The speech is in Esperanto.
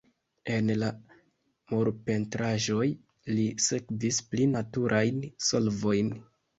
En la murpentraĵoj, li sekvis pli naturajn solvojn.